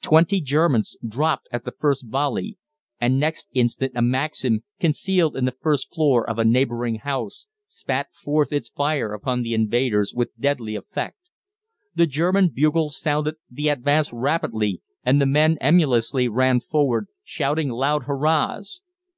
Twenty Germans dropped at the first volley, and next instant a Maxim, concealed in the first floor of a neighbouring house, spat forth its fire upon the invaders with deadly effect. The German bugle sounded the "Advance rapidly," and the men emulously ran forward, shouting loud hurrahs.